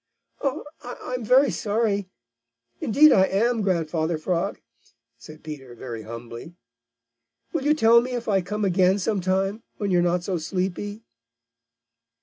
"I I'm very sorry. Indeed I am, Grandfather Frog," said Peter very humbly. "Will you tell me if I come again some time when you are not so sleepy?"